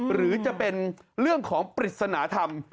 หรือจะเป็นเรื่องของปริศนธรรม